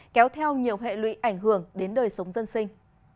kéo theo nhiều hệ lụy ảnh hưởng đến đời sống dân sinh